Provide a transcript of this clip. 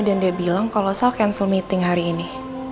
dan dia bilang kalau sal cancel meeting hari ini